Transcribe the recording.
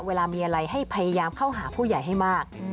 เวลามีอะไรให้พยายามเข้าหาผู้ใหญ่ให้มาก